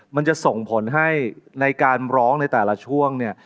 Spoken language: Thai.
มันจะส่งผลให้ในการร้องในแต่ละช่วงเนี่ย